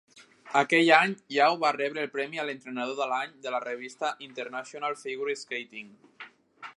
Aquell any, Yao va rebre el premi a l'entrenador de l'any de la revista International Figure Skating.